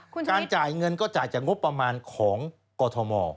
การจ่ายเงินก็จ่ายจากงบประมาณของกรทม